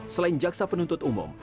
selain jaksa penuntut umum